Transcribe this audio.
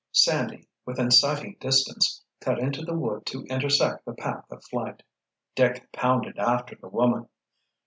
Sandy, within sighting distance, cut into the wood to intersect the path of flight. Dick pounded after the woman.